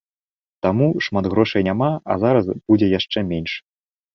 Таму шмат грошай няма, а зараз будзе яшчэ менш.